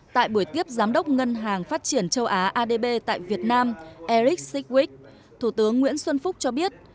tại buổi tiếp giám đốc ngân hàng phát triển châu á adb tại việt nam eric sikwik thủ tướng nguyễn xuân phúc cho biết